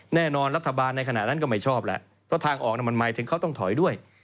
แน่นอนรัฐบาลในขณะนั้นก็ไม่ชอบแหละเพราะทางออกมันหมายถึงเขาต้องถอยด้วย